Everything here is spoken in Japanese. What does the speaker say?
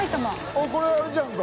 あっこれあれじゃんか。